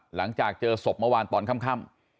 หลังจากเจอศพเมื่อวานตอนค่ำ